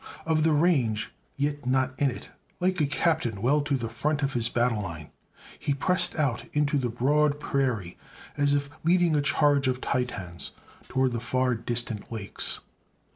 Of the range, yet not in it, like a captain well to the front of his battle line, he pressed out into the broad prairie, as if leading a charge of Titans toward the far distant lakes.